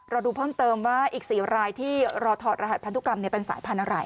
ดูเพิ่มเติมว่าอีก๔รายที่รอถอดรหัสพันธุกรรมเป็นสายพันธุ์อะไร